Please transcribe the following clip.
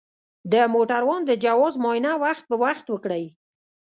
د موټروان د جواز معاینه وخت په وخت وکړئ.